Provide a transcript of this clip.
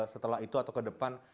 setelah itu atau ke depan